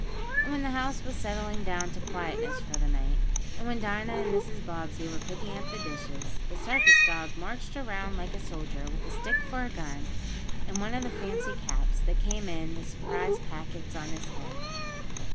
And when the house was settling down to quietness for the night, and when Dinah and Mrs. Bobbsey were picking up the dishes, the circus dog marched around like a soldier, with a stick for a gun, and one of the fancy caps, that came in the "surprise" packets, on his head.